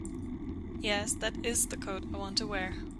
Yes, that IS the coat I want to wear.